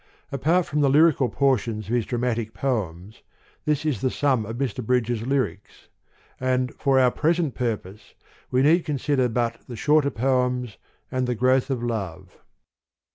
Apart from the lyrical portions of his dramatic poems, this is the sum of Mr. Bridges' lyrics : and, for our present purpose, we need consider but the Shorter Poems and The Growth of Love.